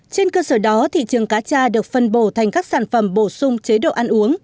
trên cơ sở đó thị trường cá cha được phân bổ thành các sản phẩm bổ sung chế độ ăn uống